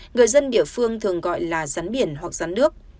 người dân địa phương thường gọi là rắn biển hoặc rắn nước